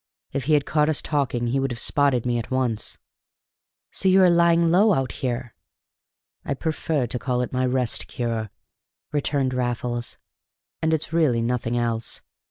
If he had caught us talking he would have spotted me at once." "So you are lying low out here!" "I prefer to call it my Rest Cure," returned Raffles, "and it's really nothing else.